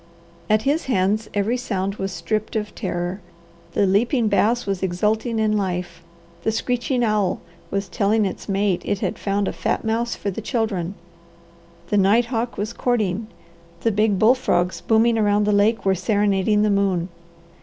At his hands every sound was stripped of terror. The leaping bass was exulting in life, the screeching owl was telling its mate it had found a fat mouse for the children, the nighthawk was courting, the big bull frogs booming around the lake were serenading the moon.